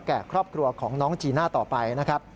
แก่ครอบครัวของน้องจีน่าต่อไป